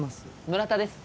村田です。